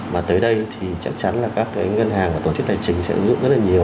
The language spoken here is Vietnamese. mà tới đây thì chắc chắn là các cái ngân hàng và tổ chức tài chính sẽ ứng dụng rất là nhiều